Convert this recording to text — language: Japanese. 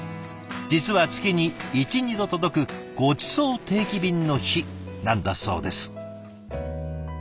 実は月に１２度届くごちそう定期便の日なんだそうです。